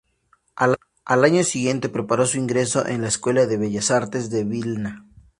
Al año siguiente preparó su ingreso en la Escuela de Bellas Artes de Vilna.